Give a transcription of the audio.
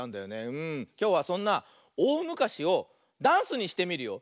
きょうはそんな「おおむかし」をダンスにしてみるよ。